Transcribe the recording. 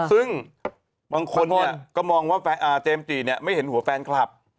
ซึ่งบางคนเนี่ยก็มองว่าเจมส์จี๋เนี่ยไม่เห็นหัวแฟนคลับ